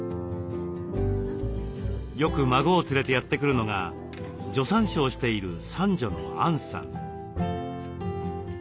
よく孫を連れてやって来るのが助産師をしている三女の安海さん。